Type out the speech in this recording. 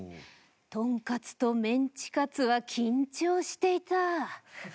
とんかつとメンチカツは緊張していた。